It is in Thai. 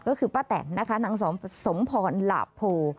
ก็คือป้าแตนนะคะนางสมพรหลาโพ